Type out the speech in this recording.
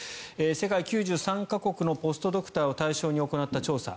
世界９３か国のポストドクターを対象に行った調査。